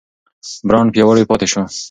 برانډ پیاوړی پاتې شو.